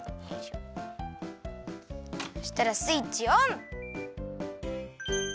そしたらスイッチオン！